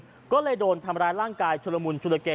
คืออย่างไหนอยู่ฝ่ายนึงก็เลยโดนทำร้ายร่างกายชุระมุนชุระเกย์